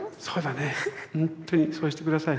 本当にそうして下さい。